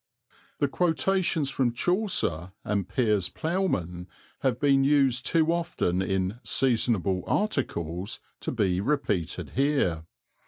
The quotations from Chaucer and Piers Plowman have been used too often in "seasonable articles" to be repeated here.